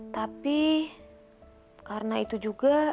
tapi karena itu juga